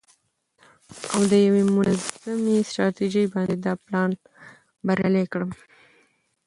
او د یوې منظمې ستراتیژۍ باندې دا پلان بریالی کړم.